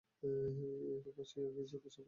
এই পাশে ইয়াকারির কোনো ছাপ নেই!